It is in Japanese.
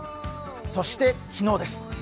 そして昨日です。